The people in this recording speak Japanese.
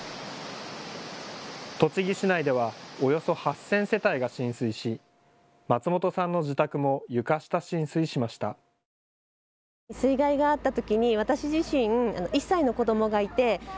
栃木市内ではおよそ８０００世帯が浸水し、松本さんの自宅も床下浸水しました。